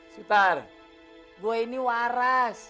sutar gue ini waras